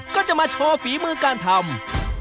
ก็จะมาโชว์ฝีมือการทำ